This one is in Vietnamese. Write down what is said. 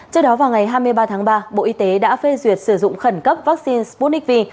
trước đó vào ngày hai mươi ba tháng ba bộ y tế đã phê duyệt sử dụng khẩn cấp vaccine sputnik v